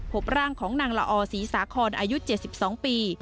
พบร่างของนางละอศรีสาคอนอายุ๗๒ปี